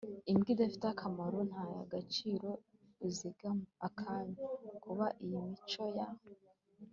imbwa idafite akamaro, nta gaciro uzigama akanya. kuba iyi mico ya